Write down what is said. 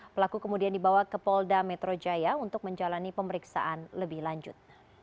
pelaku kemudian dibawa ke polda metro jaya untuk menjalani pemeriksaan lebih lanjut